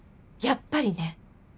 やっぱりね！